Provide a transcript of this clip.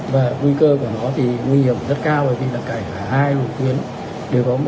và khi người ta vượt đèn đỏ